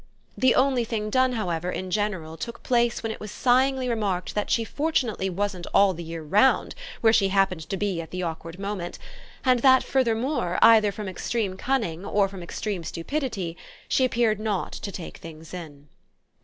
The only thing done, however, in general, took place when it was sighingly remarked that she fortunately wasn't all the year round where she happened to be at the awkward moment, and that, furthermore, either from extreme cunning or from extreme stupidity, she appeared not to take things in.